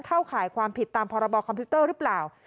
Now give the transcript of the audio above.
ข่ายความผิดตามพรบคอมพิวเตอร์หรือเปล่า